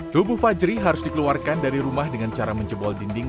tubuh fajri harus dikeluarkan dari rumah dengan cara menjebol dinding